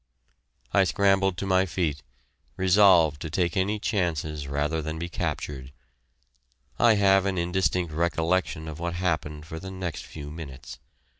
I scrambled to my feet, resolved to take any chances rather than be captured. I have an indistinct recollection of what happened for the next few minutes.